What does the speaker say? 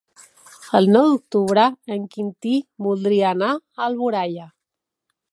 El nou d'octubre en Quintí voldria anar a Alboraia.